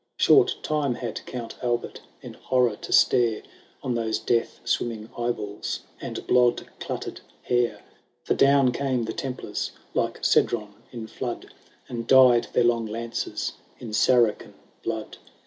Short time had Count Albert in horror to stare On those death swimming eyeballs, and blood clotted hair ; For down came the Templars, like Cedron in flood, And dyed their long lances in Saracen blood.